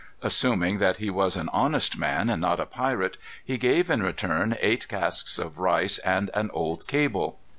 Assuming that he was an honest man, and not a pirate, he gave in return eight casks of rice and an old cable.